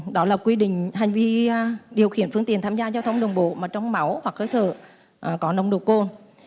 đó là quy định hành vi điều khiển phương tiện tham gia giao thông đường bộ mà trong máu hoặc hơi thở có nồng độ cồn